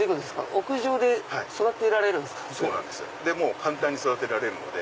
簡単に育てられるので。